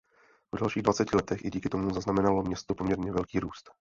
V dalších dvaceti letech i díky tomu zaznamenalo město poměrně velký růst.